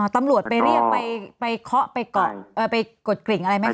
ตำรวจไปเรียกไปเคาะไปเกาะไปกดกริ่งอะไรไหมคะ